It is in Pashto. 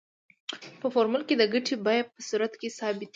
په فورمول کې د ګټې بیه په صورت کې ثابته ده